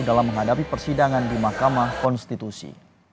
dalam menghadapi persidangan di mahkamah konstitusi